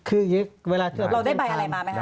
เราได้ใบอะไรมาไหมครับ